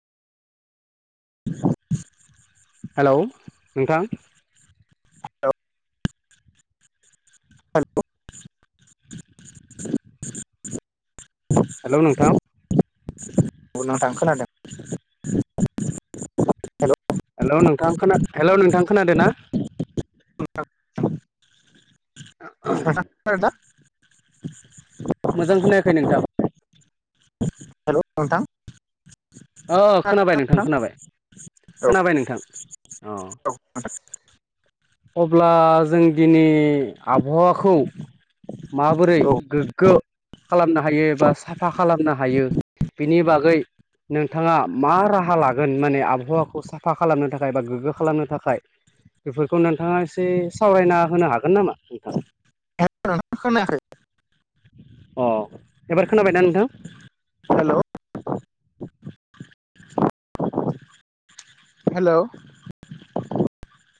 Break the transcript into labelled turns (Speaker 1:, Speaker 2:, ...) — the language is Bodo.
Speaker 1: [inaudible]
Speaker 2: हेलौ नोंथां
Speaker 1: [inaudible] [unintelligible]
Speaker 2: हेलौ‌ नोंथां
Speaker 1: औ नोंथां खोनादों। हेल'
Speaker 2: हेलौ नोंथां खोना हेलौ नोंथां खोनादों ना?
Speaker 1: नोंथां नोंथां खोनादों ना?
Speaker 2: मोजां खोनायाखै नोंथां।
Speaker 1: हेलौ [unintelligible]
Speaker 2: ओ खोनाबाय नोंथां खोनाबाय
Speaker 1: औ
Speaker 2: खोनाबाय नोंथां औ
Speaker 1: [unintelligible]
Speaker 2: अब्ला जों दिनै आबहावाखौ माबोरै
Speaker 1: औ
Speaker 2: गोग्गो खालामनो हायो एबा साफा खालामनो हायो। बिनि बागै नोंथाङा मा राहा लागोन माने आबहावाखौ साफा खालामनो थाखाय बा गोग्गो खालामनो थाखाय खौ नोंथाङा एसे सावरायना होनो हागोन नामा।
Speaker 1: [unintelligible] खोनादो
Speaker 2: अ एबार खोनाबाय ना नोंथां
Speaker 1: हेलौ हेलौ